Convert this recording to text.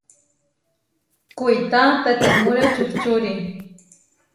Kuitá tetemúre čuhčúri.